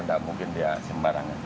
nggak mungkin dia sembarangan